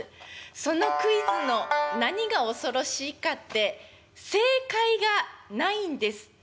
そのクイズの何が恐ろしいかって正解がないんです。